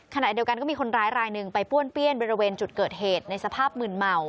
ขณะเดียวกันก็มีคนร้ายรายหนึ่งไปป้วนเปี้ยนบริเวณจุดเกิดเหตุในสภาพมืนเมา